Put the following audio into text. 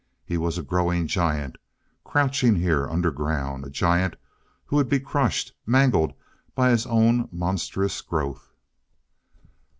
He was a growing giant, crouching here underground a giant who would be crushed, mangled by his own monstrous growth.